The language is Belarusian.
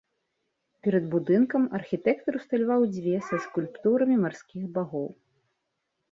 Перад будынкам архітэктар усталяваў дзве са скульптурамі марскіх багоў.